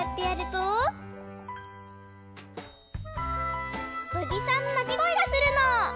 とりさんのなきごえがするの！